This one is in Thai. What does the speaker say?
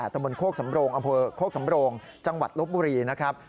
ตะบนโคกสำโรงอำเภอโคกสำโรงจังหวัดลบบุรีนะครับ